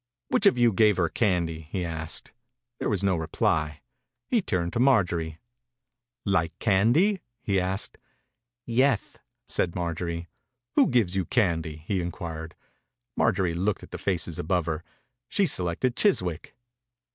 "Which of you gave her candy?" he asked. There was no reply. He turned to Marjorie. 105 THE INCUBATOR BABY "Like candy?" he asked. «Yeth," said Marjorie. "Who gives you candy?" he inquired. Marjorie looked at the faces above her. She selected Chiswick.